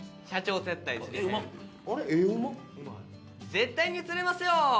絶対に釣れますよ！！